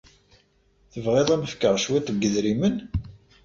Tebɣiḍ ad am-fkeɣ cwiṭ n yedrimen?